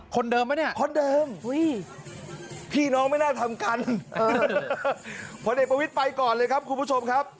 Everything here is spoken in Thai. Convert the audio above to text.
คนเดิมมั้ยเนี่ยคนเดิม